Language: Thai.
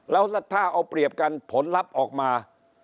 แล้วถ้าเอาเปรียบกันผลลัพธ์ออกมา